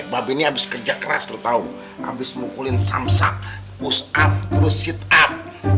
bape ini abis kerja keras abis mukulin samsak push up terus sit up